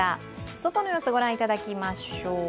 外の様子、御覧いただきましょう。